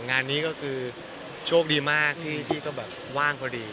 งานนี้ช่วยดีมากที่ก็ว่างพอดี